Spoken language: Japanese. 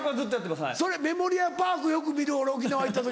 それメモリアルパークよく見る俺沖縄行った時。